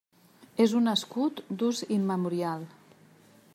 És un escut d'ús immemorial.